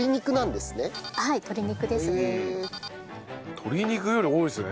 鶏肉より多いですね